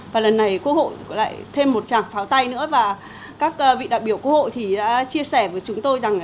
và lần này quốc hội lại thêm một trạng pháo tay nữa và các vị đại biểu quốc hội thì đã chia sẻ với chúng tôi rằng